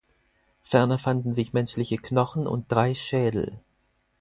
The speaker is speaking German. Ferner fanden sich menschliche Knochen und drei Schädel.